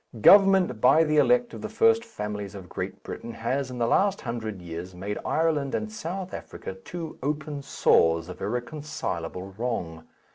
Government by the elect of the first families of Great Britain has in the last hundred years made Ireland and South Africa two open sores of irreconcilable wrong.